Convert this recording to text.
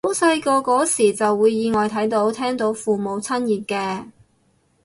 好細個嗰時就會意外睇到聽到父母親熱嘅